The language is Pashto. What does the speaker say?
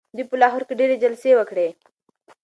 دوی په لاهور کي ډیري جلسې وکړې.